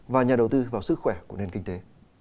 và nhà đầu tư vào sức khỏe của nền kinh tế